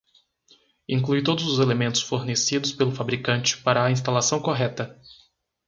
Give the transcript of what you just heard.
Inclui todos os elementos fornecidos pelo fabricante para a instalação correta.